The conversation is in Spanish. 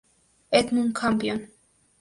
Edmund Campion.